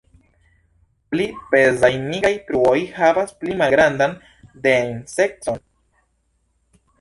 Pli pezaj nigraj truoj havas pli malgrandan densecon.